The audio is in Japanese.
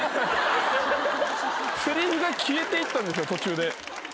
せりふが消えていったんですよ途中で。